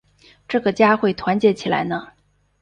这个家会团结起来呢？